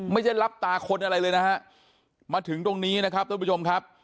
ไม่ได้รับตาคนอะไรเลยนะฮะมาถึงตรงนี้นะครับท่านผู้ชมครับ